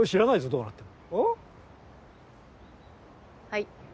はい。